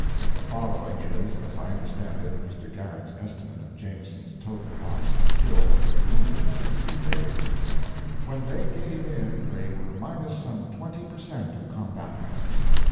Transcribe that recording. The following is (as I understand it) Mr. Garrett's estimate of Jameson's total loss in killed and wounded for the two days: "When they gave in they were minus some 20 per cent. of combatants.